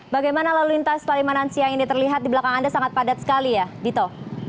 bagaimana lalu lintas palimanan siang ini terlihat di belakang anda sangat padat sekali ya dito